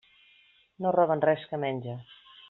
No roben res que menja.